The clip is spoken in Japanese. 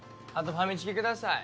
ファミチキください